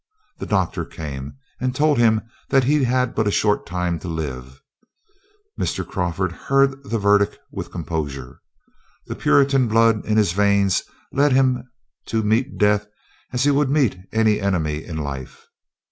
The doctor came, and told him he had but a short time to live. Mr. Crawford heard the verdict with composure. The Puritan blood in his veins led him to meet death as he would meet any enemy in life.